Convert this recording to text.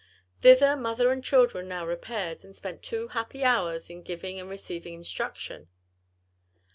Thither mother and children now repaired, and spent two happy hours in giving and receiving instruction.